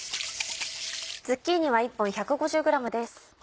ズッキーニは１本１５０ｇです。